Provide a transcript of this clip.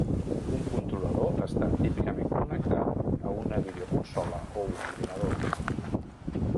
Un controlador està típicament connectat a una videoconsola o un ordinador.